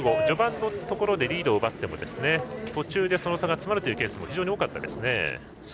序盤のところでリードを奪っても途中で、その差が詰まるケースも非常に多かったですね。